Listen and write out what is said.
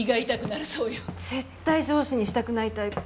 絶対上司にしたくないタイプ。